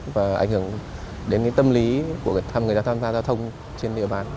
và ảnh hưởng đến tâm lý của người ta tham gia giao thông trên địa bàn